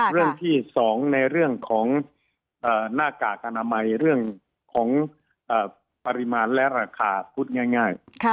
เรื่องที่๒ในเรื่องของหน้ากากอนามัยเรื่องของปริมาณและราคาพูดง่าย